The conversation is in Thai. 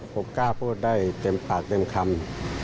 ผมกล้าพูดได้เต็มปากเต็มคำ